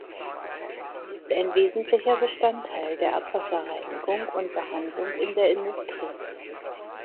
Sie ist ein wesentlicher Bestandteil der Abwasserreinigung und -behandlung in der Industrie.